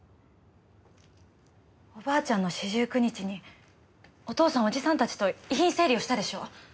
おばあちゃんの四十九日にお父さん叔父さんたちと遺品整理をしたでしょ？